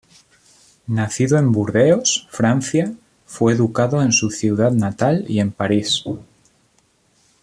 Nacido en Burdeos, Francia, fue educado en su ciudad natal y en París.